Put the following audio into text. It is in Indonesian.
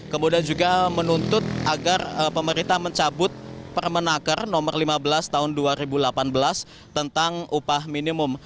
kemudian juga menuntut agar pemerintah mencabut permenaker nomor lima belas tahun dua ribu delapan belas tentang upah minimum